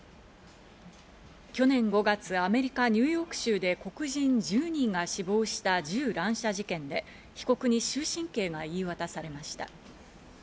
去年５月、アメリカ・ニューヨーク州で黒人１０人が死亡した銃乱射事件で、被告に終身刑が言い渡されました。